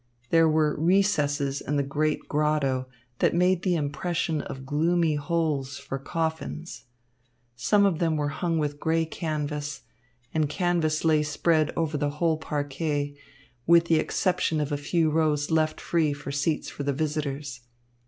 There were recesses in the great grotto that made the impression of gloomy holes for coffins. Some of them were hung with grey canvas, and canvas lay spread over the whole parquet, with the exception of a few rows left free for seats for the visitors.